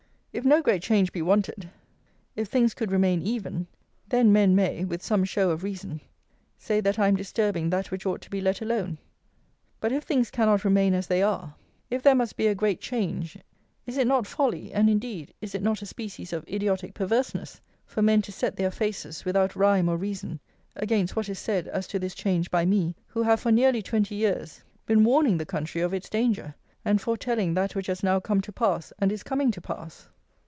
If no great change be wanted; if things could remain even; then men may, with some show of reason, say that I am disturbing that which ought to be let alone. But if things cannot remain as they are; if there must be a great change; is it not folly, and, indeed, is it not a species of idiotic perverseness, for men to set their faces, without rhyme or reason, against what is said as to this change by me, who have, for nearly twenty years, been warning the country of its danger, and foretelling that which has now come to pass and is coming to pass?